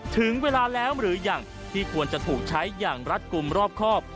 ถึงเวลาแล้วหรือยังที่ควรจะถูกใช้อย่างรัฐกลุ่มรอบครอบ